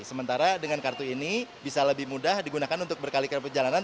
sementara dengan kartu ini bisa lebih mudah digunakan untuk berkali kali perjalanan